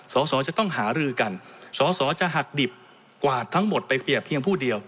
สอสอจะต้องหารือกันสอสอจะหักดิบกวาดทั้งหมดไปเปรียบเพียงผู้เดียว